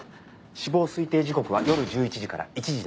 死亡推定時刻は夜１１時から１時でした。